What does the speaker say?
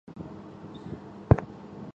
晚清至抗战前著名报刊活动家。